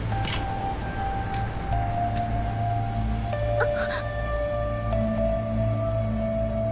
あっ。